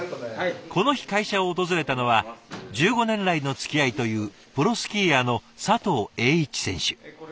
この日会社を訪れたのは１５年来のつきあいというプロスキーヤーの佐藤栄一選手。